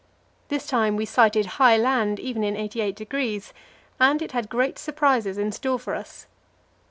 This time we sighted high land even in 88°, and it had great surprises in store for us.